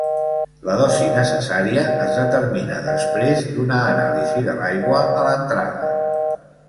La dosi necessària es determina després d'una anàlisi de l'aigua a l'entrada.